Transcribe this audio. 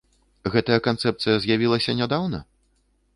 Гэтая канцэпцыя з'явілася нядаўна?